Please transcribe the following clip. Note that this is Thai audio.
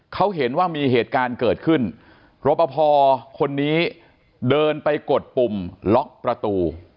เขาเห็นว่ามีเหตุการณ์เกิดขึ้นรปภคนนี้เดินไปกดปุ่มล็อกประตู